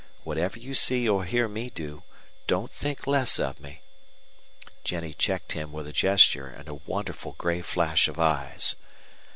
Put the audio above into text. Whatever you see or hear me do, don't think less of me " Jennie checked him with a gesture and a wonderful gray flash of eyes.